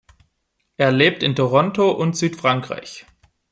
Er lebt in Toronto und Südfrankreich.